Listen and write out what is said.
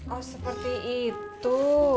oh seperti itu